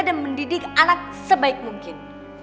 dan mendidik anak sebaik mungkin